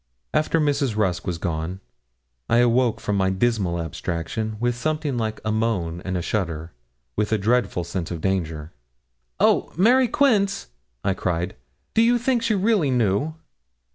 After Mrs. Rusk was gone I awoke from my dismal abstraction with something like a moan and a shudder, with a dreadful sense of danger. 'Oh! Mary Quince,' I cried, 'do you think she really knew?'